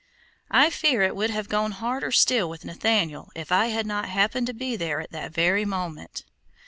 I fear it would have gone harder still with Nathaniel, if I had not happened to be there at that very moment.